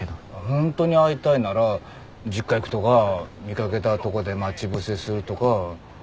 ホントに会いたいなら実家行くとか見掛けたとこで待ち伏せするとか。